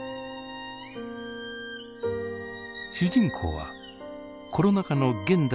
主人公はコロナ禍の現代